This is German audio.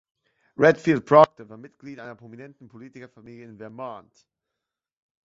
Redfield Proctor war Mitglied einer prominenten Politikerfamilie in Vermont.